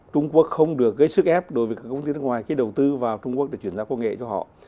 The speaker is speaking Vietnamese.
trung quốc không được gây sức ép đối với các công ty nước ngoài khi đầu tư vào trung quốc để chuyển giao công nghệ cho họ